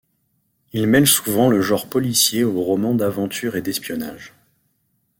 Il mêle souvent le genre policier aux romans d'aventures et d'espionnage.